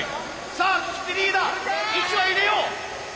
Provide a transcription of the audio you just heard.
さあ菊池リーダー１羽入れよう！